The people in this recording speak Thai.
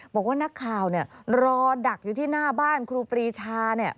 บอกว่านักข่าวเนี่ยรอดักอยู่ที่หน้าบ้านครูปรีชาเนี่ย